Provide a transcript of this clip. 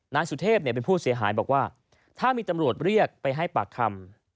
นายสุเทพเป็นผู้เสียหายบอกว่าถ้ามีตำรวจเรียกไปให้ปากคำ